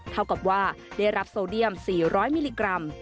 เท่ากับว่าได้รับโซเดียม๔๐๐มิลลิกรัม